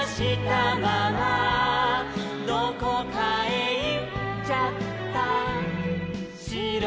「どこかへいっちゃったしろ」